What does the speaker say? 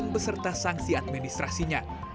beserta sanksi administrasinya